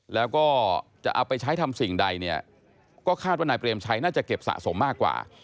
แล้วก็จะเอาไปใช้ทำสิ่งใดเนี่ยก็คาดว่านายเปรมชัยน่าจะเก็บสะสมมากกว่า